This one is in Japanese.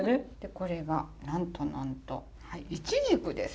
これがなんとなんとイチジクです。